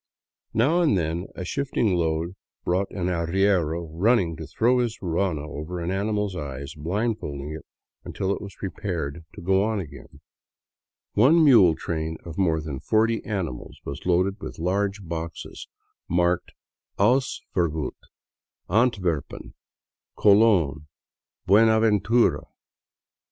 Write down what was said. Now and then a shifting load brought an arriero running to throw his ruana over the animal's eyes, blind folding it until it was prepared to 50 ft m FROM BOGOTA OVER THE QUINDIO go on again. One mule train of more than forty animals was loadea with large boxes marked " Ausfuhrgut; Antwerpen, Colon, Buenaven tura."